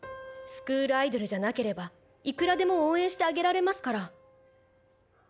スクールアイドルじゃなければいくらでも応援してあげられますから。